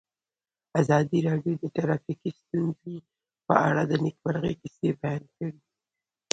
ازادي راډیو د ټرافیکي ستونزې په اړه د نېکمرغۍ کیسې بیان کړې.